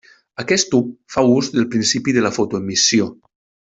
Aquest tub fa ús del principi de la fotoemissió.